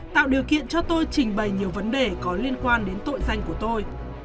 tạo điều kiện cho tôi trình bày nhiều vấn đề có liên quan đến tội danh của tôi